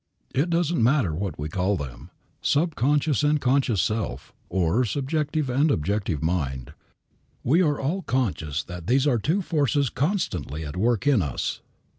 It doesn't matter what we call them, subconscious and conscious self, or subjective and objective mind, we are all conscious that these are two forces constantly at work in us.